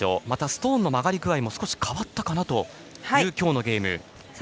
またストーンの曲がり具合も少し変わったかなという今日のゲーム。